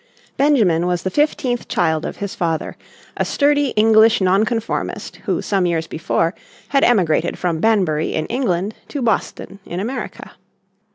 Benjamin was the fifteenth child of his father, a sturdy English Nonconformist who some years before had emigrated from Banbury in England to Boston in America.